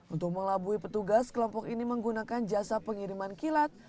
untuk mengelabui petugas kelompok ini menggunakan jasa pengiriman kilat